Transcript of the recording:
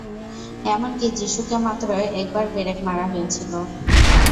এমনকি যীশুকে মাত্র একবার পেরেক মারা হয়েছিল।